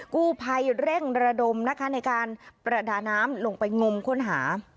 กู้ภัยเร่งระดมนะคะในการประดาน้ำลงไปงมค้นหา